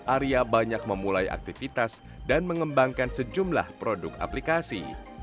arya banyak memulai aktivitas dan mengembangkan sejumlah produk aplikasi